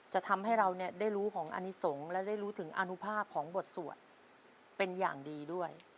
จะทำให้เราได้รู้ของอนิสงฆ์และได้รู้ถึงอนุภาพของบทสวดเป็นอย่างดีด้วย